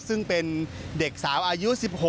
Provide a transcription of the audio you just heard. ซึ่งเป็นเด็กสาวอายุ๑๖